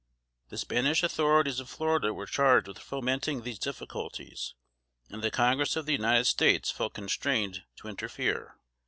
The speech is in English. The Spanish authorities of Florida were charged with fomenting these difficulties, and the Congress of the United States felt constrained to interfere.